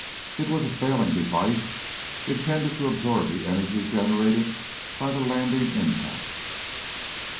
It was a failing device intended to absorb the energy generated by the landing impact.